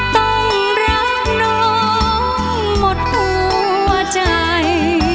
ต้องร้องน้องหมดหัวใจ